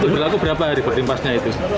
berlaku berapa hari boarding passnya itu